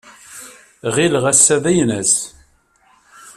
Ɣileɣ ass-a d aynass.